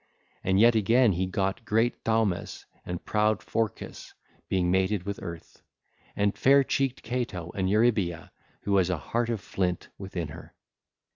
And yet again he got great Thaumas and proud Phorcys, being mated with Earth, and fair cheeked Ceto and Eurybia who has a heart of flint within her.